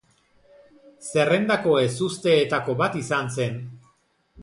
Zerrendako ezusteetako bat izan zen.